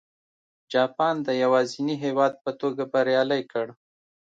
جاپان د یوازیني هېواد په توګه بریالی کړ.